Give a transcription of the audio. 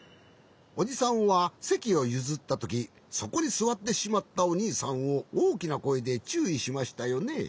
おじさんはせきをゆずったときそこにすわってしまったおにいさんをおおきなこえでちゅういしましたよね？